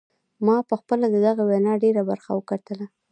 ما پخپله د دغې وینا ډیره برخه وکتله.